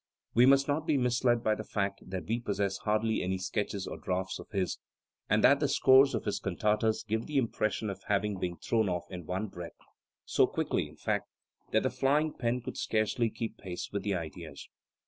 We must not be misled by the fact that we possess hardly any sketches or draughts of his, and that the scores of his cantatas give the impression of having being thrown off in one breath, so quickly, in fact, that the flying pen could scarcely keep pace with the ideas.